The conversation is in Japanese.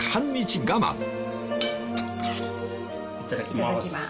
いただきます。